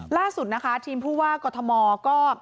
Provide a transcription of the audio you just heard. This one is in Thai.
ล่าสุดนะคะทีมผู้ว่ากอทมก็